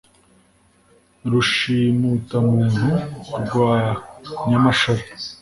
rushimutamuntu rwa nyamashara,